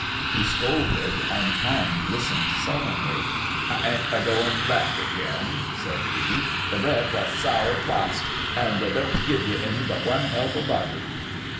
He scolded, and Tom listened sullenly. "I ain't a goin' back again," said he; "the bread was sour twict, and they don't give you but one help of butter."